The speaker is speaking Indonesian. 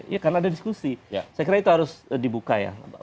ya karena ada diskusi saya kira itu harus dibuka ya